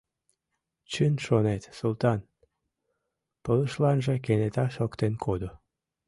«Чын шонет, Султан!» — пылышланже кенета шоктен кодо.